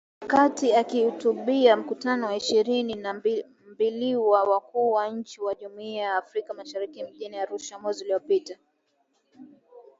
Wakati akihutubia Mkutano wa ishirini na mbiliwa Wakuu wa Nchi wa Jumuiya ya Afrika Mashariki mjini Arusha mwezi uliopita .